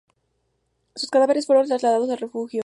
Sus cadáveres fueron trasladados al refugio.